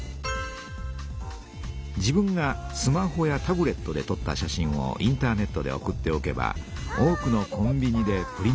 自分がスマホやタブレットでとった写真をインターネットで送っておけば多くのコンビニでプリントできます。